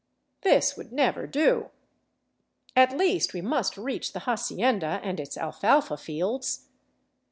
This would never do. At least we must reach the hacienda and its alfalfa fields.